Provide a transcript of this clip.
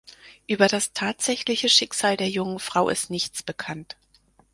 Über das tatsächliche Schicksal der jungen Frau ist nichts bekannt.